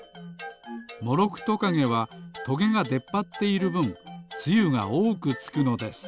モロクトカゲはトゲがでっぱっているぶんつゆがおおくつくのです。